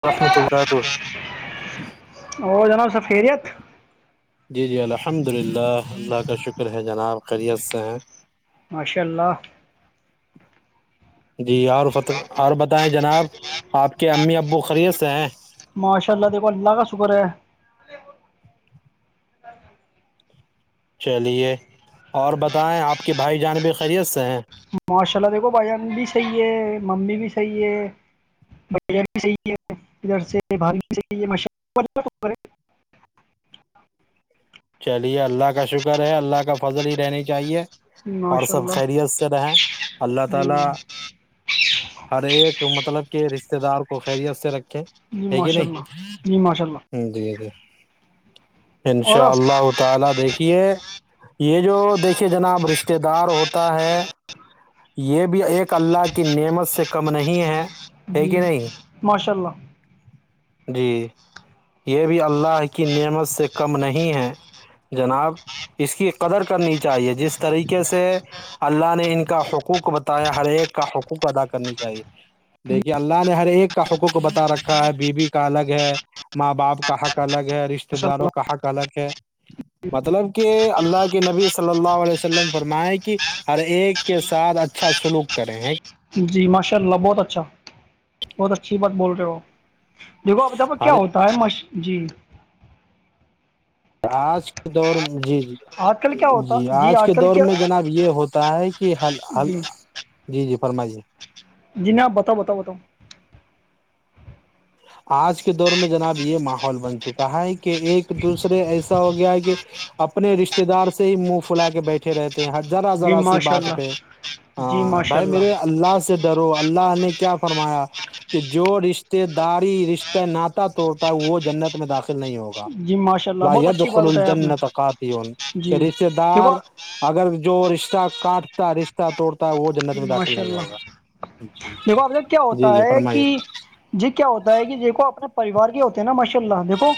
پرشن تو کہ تو اور جنا سفیرییات جی جی الحمد للہ اللہ کا شکر ہے جناب خیریت سے ہیں ماشاء اللہ جی اور اور بتائیں جناب آپ کے امی ابو خریت سے ہیں ماشاء اللہ دیکھو اللہ کا شکر ہے چلیے اور بتائیں آپ کے بھائی جانبی خیریت سے ہیں ماشاء اللہ دیکھو بھائی جان بھی صحیح ہے ممی بھی صحیح ہے بڑ بھی صحیح ہے ادھر سے بھحیح ہے ہے چلیے اللہ کا شکر ہے اللہ کا فضل ہی رہنی چاہیے جی اور ماشاء سب اللہ خیریت سے رہیں اللہ تعالی جی ہر ایک مطلب کہ رشتتے دار کو خیریت سے رکھ جی ماشاء اللہ جی ماشاء اللہ جی اور آپ انشاءاللہ تالا دیکھیے یہ جو دیکھیے جناب رشتہ دار ہوتا ہے یہ بھی ایک اللہ کی نعمت سے کم نہیں ہے ہے جی کہ نہیں ماشاء اللہ جی یہ بھی اللہ کی نعمت سے کم نہیں ہے جناب اس کی قدر کرنی چاہیے جس طریقے سے اللہ نے ان کا حقوق بتایا ہر ایک کا حقوق ادا کرنی چاہیے دیکھیے اللہ نے ہر ایک کا حقوق بتا رکھا ہے بیوی کا الگ ہے ماں باپ کہک الگ ہے رشتتے ماشاء داروں کہک الگ ہے مطلب کہ اللہ کے نبی صلی اللہ علیہ وسلم فرمائے کہ ہر ایک کے ساتھ اچھا سلوک کریں ہیں جی ماشاء اللہ بہت اچھا بہت اچھی بات بول رہے ہو دیکھو ابتابا ہر کیا ہوتا ہے مش جی آج کے دور میں جی جی آج کل کیا ہوتا جی آج کے کل دور کیا میں جناب یہ ہوتا ہے کہ ہ جی جی جی فرمائیے جینا بتاؤ بتاؤ بتاؤ آج کے دور میں جناب یہ ماحول بن چکا ہے کہ ایک دوسرے ایسا ہو گیا ہے کہ اپنے رشتے دار سے ہی منہ پلا کے بیٹھے رہتے ہیں ذرا جی ذرا سی ماشاء بات اللہ پہ جی ہ ماشاء بھائی میرے اللہ سے و اللہ نے کیا فرمایا کہ جو رشتے د داری رشتے ناتا توڑتا وہ جنت میں داخل نہیں ہوگا جی ماشاء اللہ بہت ب اچھی بخل بات بتایا آپ نے الجنتقات ان کہ جی رشتے دار دیکھو اگر جو رشتہ کاٹتا رشتہ توڑتا وہ جنت جی میں داخل ماشاء نہیں اللہ ہوگا دیکھو آپ جب کیا جی جی ہوتا جی ہے فرمائیے کہ جی کیا ہوتا ہے کہ دیکو اپنے پریوار کے ہوتے ہیں نا ماشاء اللہ دیکھو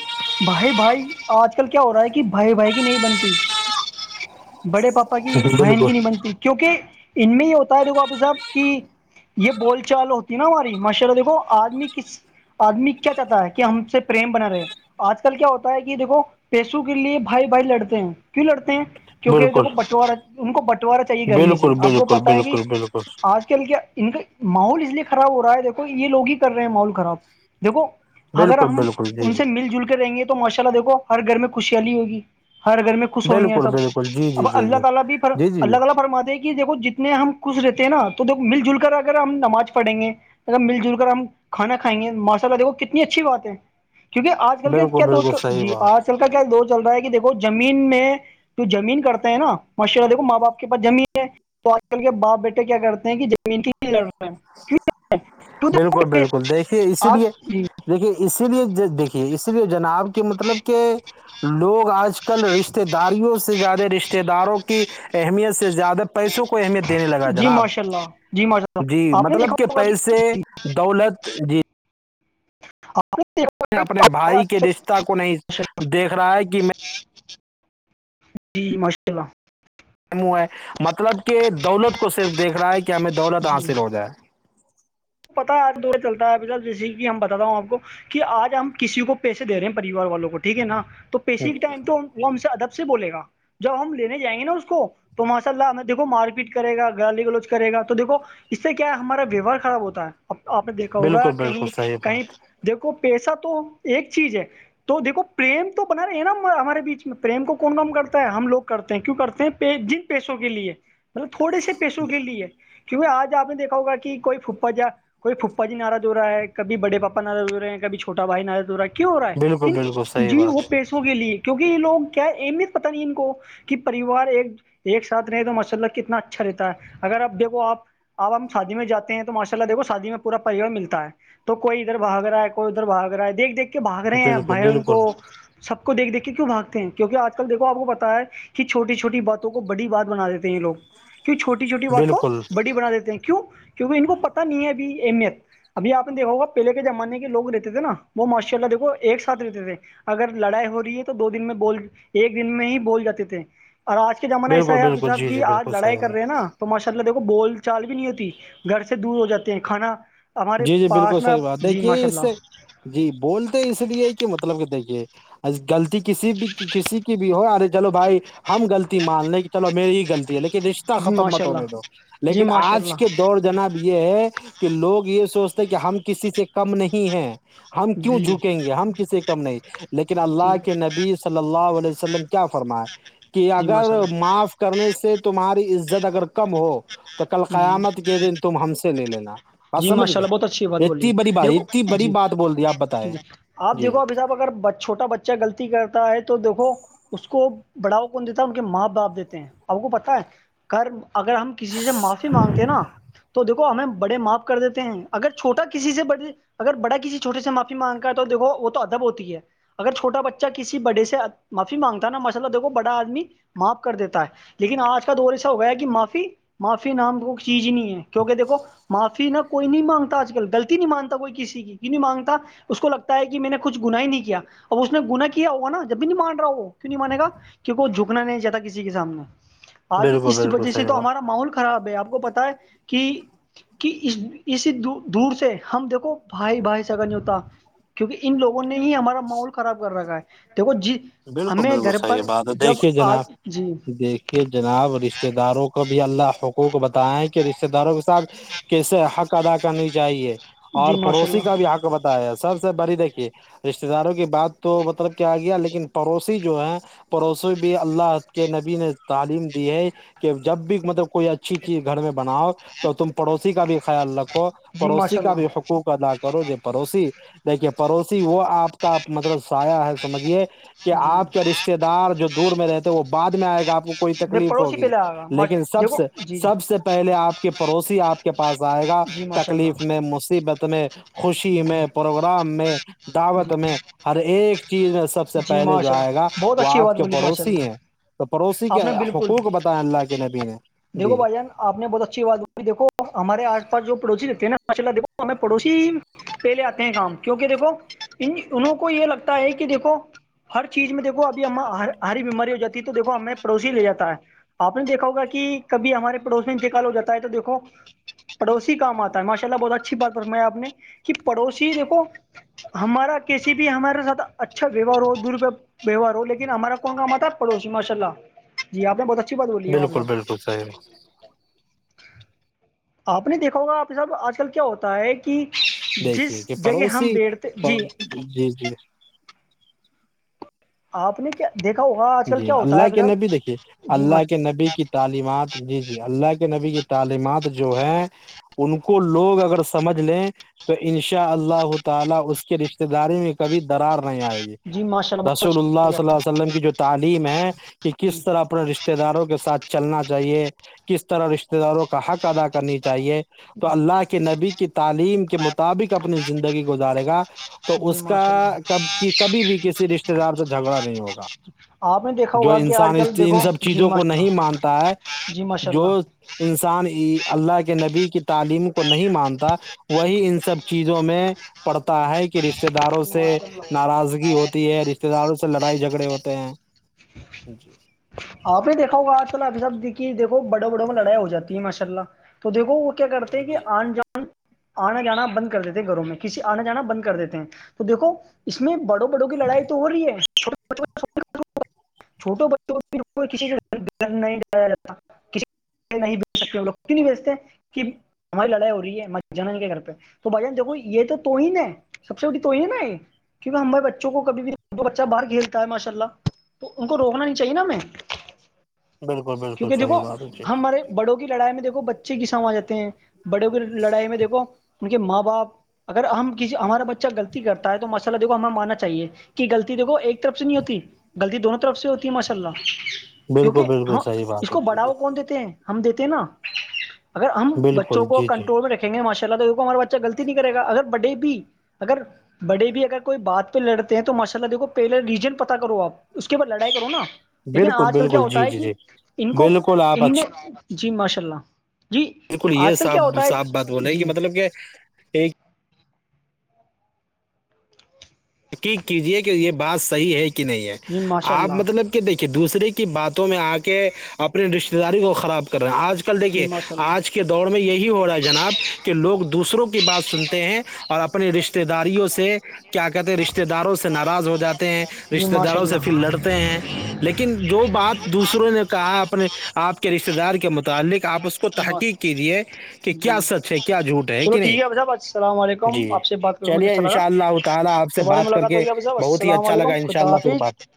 بھائی بھائی آج کل کیا ہو رہا ہے کہ بھائی بھائی کی نہیں بنتی [unintelligible] بڑے پاپا کی بالکل بہن کی نہیں بنتی کیونکہ ان میں ہی اور تا دیکو آپی صاحب کہ یہ بول چال ہوتی ہے نا ہماری ماشءہ دیکھو آدمی کس آدمی کیا چاہتا ہے کہ ہم سے پریم بنا رہے ہیں آج کل کیا ہوتا ہے کہ دیکھو پیسوں کے لیے بھائی بھائی لڑتے ہیں کیوں لڑتے ہیں کیونکہ بالکل دیکو بٹوارہ ان کو بٹوارہ چاہیے گھر میں بالکل سےپ کو بالکل پت بالکل آج کل کیا ان کا ماحول اس لیے خراب ہو رہا ہے دیکھو یہ لوگ ہی کر رہے ہیں ماحول خراب دیکھو بالکل اگر بالکل ہم بالکل جی ان جی سے مل جل کر رہیں گے تو ماشاء اللہ دیکھو ہر گھر میں خوشحی ہوگی ہر گھر میں خو ہوئی ہے بالکل سب بالکل جی اب جی جی اللہ تعی بھیھر جی جی جی اللہ تعالی فرما دے کہ دیکو جتنا نے ہم خوش رہتے ہیں نا تو د مل جل کر اگر ہم نماز پڑھیں گے اگر مل جل کر ہم کھانا کھائیں گے ماشاء اللہ دھو کتنی اچھی بات ہے کیونکہ آج کل کے بالکل کیا دور بالکل صحیح جی آج بات کل کا کیا دور چل رہا ہے کہ دیکھو زمین میں تو زمین کرتے ہیں نا ماشاء اللہ دیکھو ماں باپ کے پس زمین ہے تو آج کل کے باپ بیٹے کیا کرتے ہیں کہ ج بالکل بالکل دیکھیے اسی آ لیے جی دیکھیے اسی لیے دیکھیے اسی لیے جناب کے مطلب کہ لوگ آج کل رشتے داریوں سے زیادہ رشتے داروں کی اہمیت سے زیادہ پیسوں کو اہمیت دینے لگا جی جناب ماشاء اللہ جی ماشاء جی اللہ آپ نے دیکھا مطلب ہوگا کہ پیسے ج دولت اپنے بھائی کے رشتہ کو نہیں دیکھ رہا ہے کہ [inaudible] جی ماشاء اللہ ہے مطلب کہ دولت کو صرف دیکھ رہا ہے کہ ہمیں دولت جی حاصل ہو جائے پتا ہے ایک دورے چلتا ہے پ جیے کہ ہم بتتا ہوں آپ کو کہ آج ہم کسی کو پیسے دے رہے ہیں پریوار والوں کو ٹھیک ہے نا تو پیسے کے ٹائم تو وہ ہم سے ادب سے بولے گا جب ہم لینے جائیں گے نا اس کو تو ماشاء اللہ ہمیں دیکھو مار پیٹ کرے گا گالی گلوچ کرے گا تو دیکھو اس سے کیا ہے ہمارا ویوہار خراب ہوتا ہے آپ نے دیکھا ہوگا بالکل بالکل کہیں صحیح کہیں بات دیکھو پیسہ تو ایک چیز ہے تو دیکھو پریم تو بنا رہے ہیں نا ہمارے بیچ میں پریم کو کون کم کرتا ہے ہم لوگ کرتے ہیں کیوں کرتے ہیں جن پیسوں کے لیے مطلب تھوڑے سے پیسوں کے لیے کیونکہ آج آپ نے دیکھا ہوگا کہ کوئی پھ کوئی پھپا جی ناراض ہو رہا ہے کبھی بڑے پاپا ناراض ہو رہے ہیں کبھی چھوٹا بھائی ناراض ہو رہا ہے ہو رہا بالکل ہے بالکل صحیح جی وہ بات پیسوں کے لیے کیونکہ یہ لوگ کیا ہے اہمیت پتا نہیں ان کو کہ پریوار ایک ایک ساتھ رہ تو ماشاء اللہ کتنا اچھا رہتا ہے اگر آپ دیکھو آپ اب ہم شادی میں جاتے ہیں ماشاء اللہ دیکھو شادی میں پورا پریوار ملتا ہے تو کوئی ادھر بھگ رہا ہے کوئی ادھر بھاگ رہا ہے دیکھ دیکھ کے بھاگ رہے ہیں بالکل بھائی جان کو بالکل سب کو دیکھ دیکھ کے کیوں بھاگتے ہیں کیونکہ آج کل دیکھو آپ کو پتا ہے کی چھوٹی چھوٹی باتوں کو بڑی بات بنا دیتے ہیں یہ لوگ کیوں چھوٹی چھوٹی بات کو بالکل بڑی بنا دیتے ہیں کیوں کیونکہ ان کو پتا نہیں ہے ابھی اہمیت ابھی آپ نے دیکھا ہوگا پہلے کے زمانے کے لوگ رہتے تھے نا وہ ماشاء اللہ دیکھو ایک ساتھ رہتے تھے اگر لڑائی ہو رہی ہے تو دو دن میں بول ایک دن میں ہی بول جاتے تھے اور آج آج کا زمانا ایسا بالکل ہے آپ بالکل صاحب جی کہ جی آج بالکل صحیح لڑائی بات کر رہے ہیں نا تو ماشاء اللہ دیکھو بول چال بھی نہیں ہوتی گھر سے دور ہو جاتے ہیں کھانا ہمارے جی جی بالکل پاس میں صحیح بات جی دیکھیے ماشاء اس سے اللہ جی بولتے اس لیے کہ مطلب کہ دیکھیے غلطی کسی بھی کسی کی بھی ہو چلو بھائی ہم غلطی مان لیں کہ چلو میری غلطی ہے لیکن رشتہ جی ختم ماشاء مت ہونے اللہ دو جی لیکن ماشاء آج کے اللہ دور جناب یہ ہے کہ لوگ یہ سوچتے ہیں کہ ہم کسی سے کم نہیں ہیں ہم کیوں جی جھکیں گے ہم کسی کم نہیں لیکن اللہ جی کے نبی صلی اللہ علیہ وسلم کیا فرماائے کہ جی ماشاء اگر اللہ معاف کرنے سے تمہاری عزت اگر کم ہو تو کل جی قیامت کے دن تم ہم سے لے لینا بات سمجھ گئے بلیے اتنی بڑی بات دیکھو اتنی بڑی جی بات بول دی آپ بتائیں جی آپ جی دیکھو ابھی صاحب اگر چھوٹا بچہ غلطی کرتا ہے تو دیکھو اس کو بڑاؤ کون دیتا ہے ان کے ماں باپ دیتے ہیں آپکو پتا ہے کرم اگر ہم کسی سے معاف مانگتے ہیں نا تو دیکھو ہمیں بڑے معاف کر دیتے ہیں اگر چھوٹا کسی سے بڑے اگر بڑا کسی چھوٹے سے معافی مانگتا ہے تو دیکو وہ تو ادب ہوتی ہے اگر چھوٹا بچہ کسی بڑے سے معافی مانگتا نا مشا اللہ دیکھو بڑا آدمی معاف کر دیتا ہے لیکن آج کا دور ایسا ہو گیا ہے کہ معافی نام معافی چیز ہی نہیں ہے کیونکہ دیکھو معافی نہ کوئی نہیں مانگتا آج کل غلتی نہیں مانتا کوئی کسی کی نہیں مانگتا اس کو لگتا ہے کہ میں نے کچھ گنا ہی نہیں کیا اب اس نے گنا کیا ہوگا نا جب بھی نہیں مان رہا وہ کیوں نہیں مانے گا کیونکہ جھکنا نہیں چاہتا کسی کے سامنے آج بالکل اس بالکل وجہ سے صحیح تو ہوا ہمارا ماحول خراب ہے آپ کو پتا ہے کہ کہ اس اسی دور سے ہم دیکھو بھائی بھائی سگا نہیں ہوتا کیونکہ ان لوگوں نے ہی ہمارا ماحول خراب کر رکھا ہے دیکھو ج بالکل بالکل صحیح بات ہے دیکھیے جناب جی دیک یہ جناب رشتے داروں کو بھی اللہ حقوق بتیا ہے کہ رشتے داروں کے ساتھ کیسے حق ادا کرنی چاہیے اور جی ماشاء پڑوسی کا اللہ بھی حق بتایا سب سے بڑی دیکھیے رشتے داروں کی بات تو مطلب کیا آ گیا لیکن پڑوسی جو ہیں پڑوسی بھی اللہ کے نبی نے تعلیم دی ہے کہ جب بھی مطلب کوئی اچھی چیز گھر میں بناؤ تو تم پڑوسی کا بھی خیال رکھو جی پڑوسی ماشاء کا اللہ بھی حکو ادا کرو ج پڑوسی دیکھیے پڑوسی وہ آپ کا مطلب سایہ ہے سمجھیے کہ جی آپ کے رشتے دار جو دور میں رہتے ہیں وہ بعد میں آئے گا آپ کو کوئی میں تکلیف پڑوسی ہوگی پہلے آ گا لیکن سب دیکھو سے جی جی سب سے پہلے آپ کے پڑوسی آپ کے پاس آئے گا جی ماشاء تکلیف اللہ میں مصیبت میں خوشی جی میں پروگرام میں جی دعوت میں ہر ایک چیز میں سب سے جی پہلے جو ماشاء آئے گا اللہ بہت وہ اچھی آپ بات کے بولی ماشاء پڑوسی اللہ ہیں تو پڑوسی کے آپ نے حقوق بتائے اللہ کے نبی نے و جی بھائی جان آ نے بہت اچھی بات بائی دھو ہمارےس پاس جو پڑوسی رہتے ہیں نا ماشا اللہ دھو ہم پڑوسی پہلے آتے ہیں کام کیونکہ دیکھو ان انوں کو یہ لگتا ہے کہ دیکھو ہر چیز میں دیکو ابھی ہم ہری بیماری ہو جاتی ہے تو دیکھو ہمیں پڑوسی لے جاتا ہے آپ نے دیکھا ہوگا کہ کبھی ہمارے پڑوس میں انتقال ہو جاتا ہے تو دیکھو پڑوسی کام آتا ہے ماشاء اللہ بہت اچھی بات فما ہے آپ نے کہ پڑوسی دیکھو ہمارا کسی بھی ہمارے ساتھ اچھا ویوار ہو دوروپہ ویوہار ہو لیکن ہمارا کون کام آتا پڑوسی ماشاء اللہ جی آپ نے بہت اچھی بات بولی بالکل بالکل ہےاںپاب صحیح آپ نے دیکھا ہوگا آپ صاحب آج کل کیا ہوتا ہے کہ جس دیکھیے کہ جگہ ہم پڑوسی بیٹھتے جی جی جی آپ نے کیا دیکھا ہوگا آج کل جی کیا ہوتا ہے اللہ اب کے نبی صاحب دیکھیے جی اللہ کے کے نبی کی تعلیمات جی جی اللہ کے نبی کی تعلیمات جو ہے ان کو لوگ اگر سمجھ لیں انشاءاللہ تعالی اس کے رشتہ داری میں کبھی درار نہیں آئے گی جی ماشاء اللہ بہت رسول اللہ صلہ وسلم کی جو تعلیم ہے کہ کس طرح اپنے رشتے داروں کے ساتھ چلنا چاہیے کس طرح رشتے داروں کا حق ادا کر کرنی چاہیے تو اللہ کے نبی کی تعلیم کے مطابق اپنی زندگی گزارے گا تو اچھا جی اس کا ماشاء اللہ کب کبھی بھی کسی رشتے دار سے جھگڑا نہیں ہوگا آپ نے دیکھا جو ہوگا کہ آج انسان اس کل ان دیکھو سب جی چیزوں کو ماشاء نہیں اللہ مانتا ہے جی ماشاء جو اللہ انسان اللہ کے نبی کی تعلیم کو نہیں مانتا وہی ان سب چیزوں میں پڑتا ہے کہ کہ رشتے داروں سے ماشاء اللہ ناراضگی ہوتی ہے رشتے داروں سے لڑائی جھگڑے ہوتے ہیں [unintelligible] آپ بھی دیکھو ہوگا چل اب سب دیک دیکھو بڑوں بڑوں میں لڑائی ہو جاتی ہے ماشاء اللہ تو دیکو وہ کیا کرتے ہیں کہ آن جان آنا جانا بند کر دیتے ہیں گھروں میں کسی آنا جانا بند کر دیتے ہیں تو دیکھو اس میں بڑوں وں کی لڑائی تو ہو رہی ہے چے بوں چوٹوں بچوں کو کو کسی سےھر نہیں ڈ جتا کسی [inaudible] نہیں بھیچ سکتے لوگ ک نہیں بیچتے کہ [inaudible] ہماری لڑائی ہو رہی ہے جنن کے گھر پہ تو بھائی جان دیکو یہ تو ہی ن ہے سب سے اٹی تو ہی ہے ن [unintelligible] کیونکہ ہمارے بچوں کو کبھی بھی بچہ باہر کھیلتا ہے ماشاء اللہ تو ان کو روکنا نہیں چاہے نا میںیں بالکل بالکل کیونکہ صحیح دیکھو بات ہے جی ہمارے بڑوں کی لڑائی میں دیکھو بچے کسام آ جاتے ہیں بڑوں کی لڑائی میں دیکھو ان کے ماں باپ اگر ہم کسی ہمارا بچہ غلطی کرتا ہے تو ماء اللہ دیکھو ہمیں ماننا چاہیے کہ غطی دیکو ایک طرف سے نہیں ہوتی غلطی دونوں طرف سے ہوتی ہے ماشاء اللہ بالکل کیونکہ بالکل ہاں صحیح اس بات ہے کو جی جی بڑھاوا کون د ہم دیتے ہیں نا اگر ہم بچوں بالکل کو جی جی کنٹرول میں رکھے گے ماشاء اللہ تو دیکھ ہمارا بچہ غطی نہیں کرے گا اگر بڈے بھی اگر بڑے بھی اگر کوئی بات پہ لڑتے ہیں تو ماشاء اللہ دیکھو پہلے ریجن پتا کرو آپ اس کے بعد لڑائی کرو نا لیکن بالکل آج کل کیا بالکل ہوتا جی ہے جی کہ جی ان کو بالکل آپ ان نے اچھی جی ماشاء اللہ جی بالکل یہ آج کل صاف کیا ہوتا ہے صاف بات بول رہے ہے جی کہ مطلب کہ ایک تحقیق کیجیے کہ یہ بات صحیح ہے کہ نہیں ہے جی ماشاء آپ اللہ مطلب دیکھیے دوسرے کی باتوں میں آ کے اپنی رشتے داری کو خراب کر کر رہے ہیں آج کل دیکھیے جی ماشاء اللہ آج کے دور میں یہی ہو رہا ہے جناب کہ لوگ دوسروں کی بات سنتے ہیں اور اپنے رشتے داریوں سے کیا کر رشتے داروں سے ناراض ہو جاتے ہیں جی رشتے ماشاء داروں سے پھر اللہ لڑتے ہیں لیکن جو بات دوسروں نے کہا اپنے آپ کے رشتے دار کے متعلق آپ اس کو تحقیق کیجیے کہ کیا جی سچ ہے کیا جھوٹ ہے چلو کہ نہیں ٹھیک اب صاحب السلام علیکم جی آپ سے بات کر کے مجھے چلیے اچھا لگا انشاء اللہ تعالی آپ سے دوبارہ بات کر ملاقات کے ہوگی اب صاحب بہت ہی السلام اچھا علیکم لگا انشاء خدا اللہ پھر بات حافظ ہے